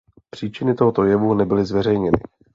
Příčiny tohoto jevu nebyly zveřejněny.